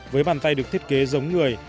với bàn tay được thiết kế giống người